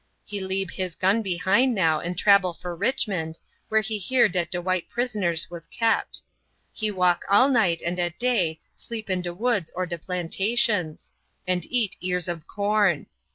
He leab his gun behind now and trabel for Richmond, where he hear dat de white prisoners was kept. He walk all night and at day sleep in de woods or de plantations, and eat ears ob corn.